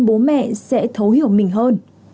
bố mẹ sẽ thấu hiểu mình hơn